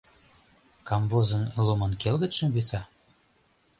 Камвозын, лумын келгытшым виса?